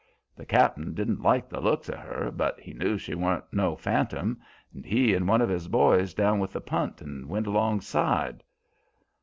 The cap'n didn't like the looks of her, but he knew she wan't no phantom, and he and one of his boys down with the punt and went alongside.